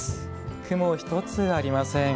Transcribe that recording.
雲１つありません。